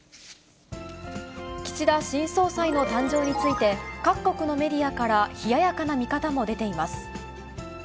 岸田新総裁の誕生について、各国のメディアから冷ややかな見方も出ています。